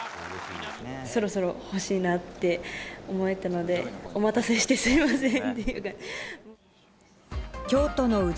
そろそろ欲しいなって思ってたので、お待たせしてすみません。